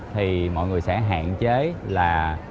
thì mọi người sẽ hạn chế là